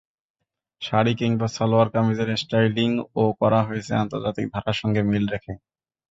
শাড়ি কিংবা সালোয়ার-কামিজের স্টাইলিংও করা হয়েছে আন্তর্জাতিক ধারার সঙ্গে মিল রেখে।